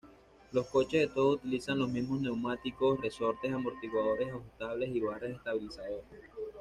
Los coches de todos utilizan los mismos neumáticos, resortes, amortiguadores ajustables y barras estabilizadoras.